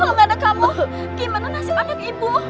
kalau gak ada kamu gimana nasib anak ibu